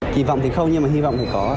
kỳ vọng thì không nhưng mà hy vọng thì có